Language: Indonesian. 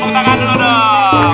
tepuk tangan dulu dong